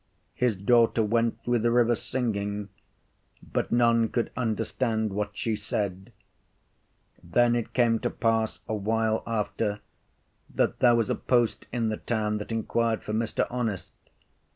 His daughter went through the river singing, but none could understand what she said. Then it came to pass a while after, that there was a post in the town that inquired for Mr. Honest....